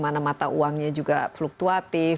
nah uangnya juga fluktuatif